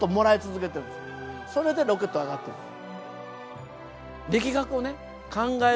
それでロケットは上がってるんです。